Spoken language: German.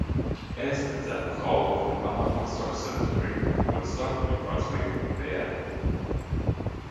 Er ist mit seiner Frau auf dem Upper Woodstock Cemetery, Woodstock, New Brunswick, beerdigt.